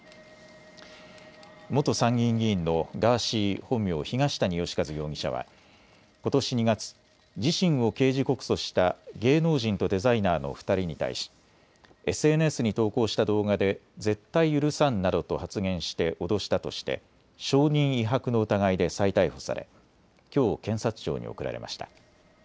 元参議院議員のガーシー、本名、東谷義和容疑者はことし２月、自身を刑事告訴した芸能人とデザイナーの２人に対しＳＮＳに投稿した動画で絶対許さんなどと発言して脅したとして証人威迫の疑いで再逮捕されきょう検察庁に送られました。